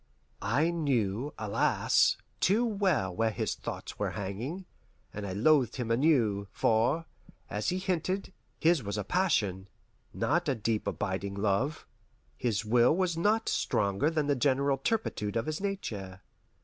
I knew, alas, too well where his thoughts were hanging, and I loathed him anew; for, as he hinted, his was a passion, not a deep abiding love. His will was not stronger than the general turpitude of his nature.